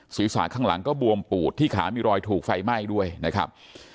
ศีรษะข้างหลังก็บวมปูดที่ขามีรอยถูกไฟไหม้ด้วยนะครับ